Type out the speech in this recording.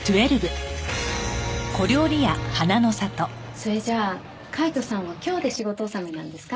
それじゃあカイトさんは今日で仕事納めなんですか？